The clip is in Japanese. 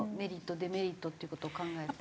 デメリットっていう事を考えると。